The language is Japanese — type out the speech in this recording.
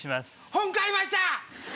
本買いました！